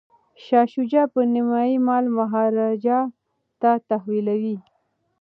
شاه شجاع به نیمایي مال مهاراجا ته تحویلوي.